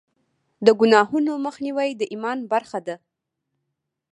د ګناهونو مخنیوی د ایمان برخه ده.